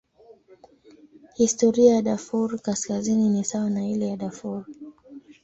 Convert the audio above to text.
Historia ya Darfur Kaskazini ni sawa na ile ya Darfur.